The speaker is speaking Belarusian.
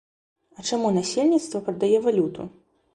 А чаму насельніцтва прадае валюту?